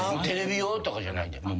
テレビ用とかじゃないで。